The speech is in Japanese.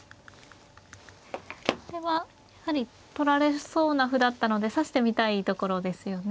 これはやはり取られそうな歩だったので指してみたいところですよね。